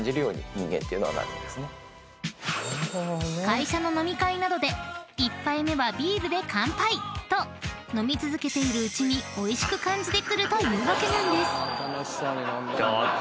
［会社の飲み会などで１杯目はビールで乾杯！と飲み続けているうちにおいしく感じてくるというわけなんです］